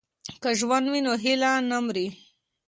که ژوند وي نو هیله نه مري.